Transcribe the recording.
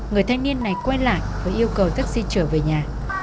người thanh niên này quay lại và yêu cầu taxi trở về nhà